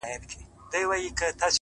o ستا څخه چي ياره روانـــــــــــېــږمه؛